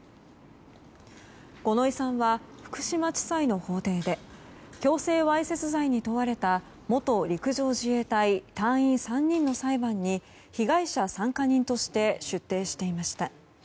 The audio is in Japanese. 五ノ井さんは福島地裁の法廷で強制わいせつ罪に問われた元陸上自衛隊、隊員３人の裁判に被害者参加人として出廷していました。